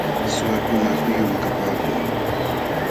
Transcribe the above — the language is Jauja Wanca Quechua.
Suwakuna huyum kapaakun.